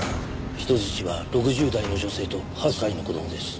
人質は６０代の女性と８歳の子供です。